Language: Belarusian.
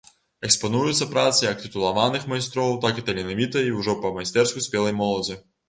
Экспануюцца працы як тытулаваных майстроў, так і таленавітай і ўжо па-майстэрску спелай моладзі.